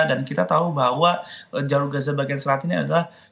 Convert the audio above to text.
dan kita tahu bahwa jarur gaza bagian selat ini adalah